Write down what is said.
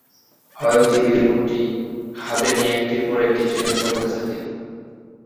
হয়তো টিভি রিমোটটি হাতে নিয়ে একটির পর একটি চ্যানেল পাল্টাতে থাকেন।